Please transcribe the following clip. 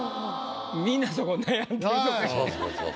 みんなそこ悩んでるよね。